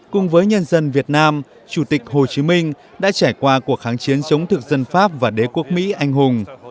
cùng với nhân dân việt nam chủ tịch hồ chí minh đã trải qua cuộc kháng chiến chống thực dân pháp và đế quốc mỹ anh hùng